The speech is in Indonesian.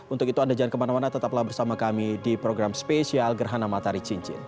untuk itu anda jangan kemana mana tetaplah bersama kami di program spesial gerhana matahari cincin